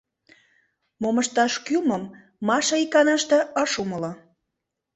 Мом ышташ кӱлмым Маша иканаште, ыш умло.